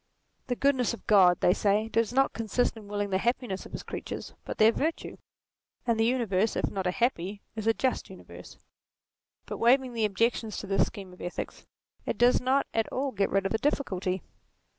The goodness of God, they say, does not consist in willing the happi ness of his creatures, but their virtue ; and the uni verse, if not a happy, is a just, universe. But waving the objections to this scheme of ethics, it does not at all get rid of the difficulty.